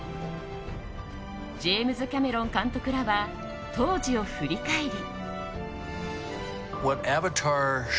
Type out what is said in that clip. ジェームズ・キャメロン監督らは当時を振り返り。